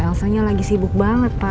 elsanya lagi sibuk banget pa